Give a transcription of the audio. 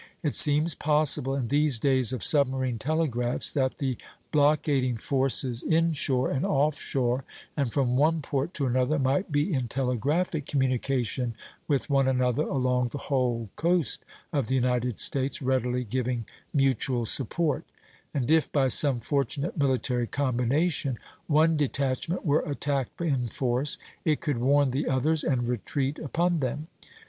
It seems possible, in these days of submarine telegraphs, that the blockading forces in shore and off shore, and from one port to another, might be in telegraphic communication with one another along the whole coast of the United States, readily giving mutual support; and if, by some fortunate military combination, one detachment were attacked in force, it could warn the others and retreat upon them.